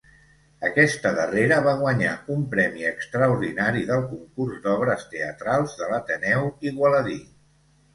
Aquesta darrera va guanyar un premi extraordinari del concurs d'obres teatrals de l'Ateneu Igualadí.